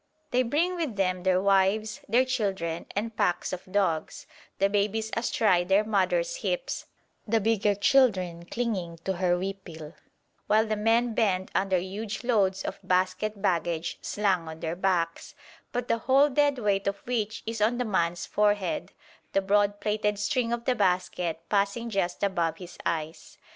They bring with them their wives, their children, and packs of dogs; the babies astride their mother's hips, the bigger children clinging to her huipil; while the men bend under huge loads of basket baggage slung on their backs, but the whole dead weight of which is on the man's forehead, the broad plaited string of the basket passing just above his eyes.